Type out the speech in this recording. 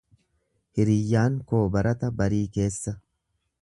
Hiriyyaan koo barata barii keessa.